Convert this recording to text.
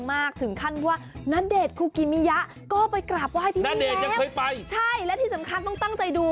มากถึงขั้นว่านเดชครูกิมียะก็ไปกลับวายอีกนะนี่จะให้ไปใช่แล้วที่สำคัญต้องตั้งใจดู